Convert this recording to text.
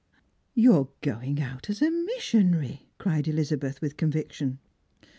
" You are going out as a missionary," cried EHzabeth with conviction.